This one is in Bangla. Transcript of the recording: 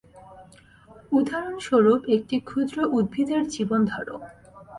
উদাহরণস্বরূপ একটি ক্ষুদ্র উদ্ভিদের জীবন ধর।